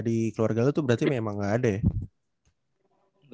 di keluarga lu tuh berarti memang gak ada ya